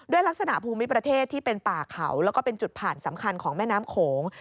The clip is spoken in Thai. ลักษณะภูมิประเทศที่เป็นป่าเขาแล้วก็เป็นจุดผ่านสำคัญของแม่น้ำโขง